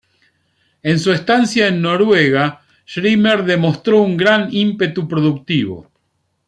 En su estancia en Noruega, Schirmer demostró un gran ímpetu productivo.